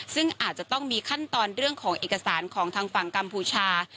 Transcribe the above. ซึ่งอาจจะต้องมีขั้นตอนเรื่องของเอกสารของทางฝั่งกัมพูชา